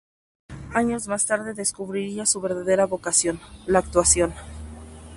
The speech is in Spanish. Años más tarde descubriría su verdadera vocación, la actuación.